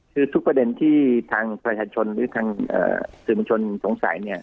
คือทุกประเด็นที่ทางประชาชนหรือทางสื่อมวลชนสงสัยเนี่ย